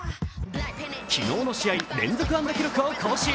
昨日の試合、連続安打記録を更新。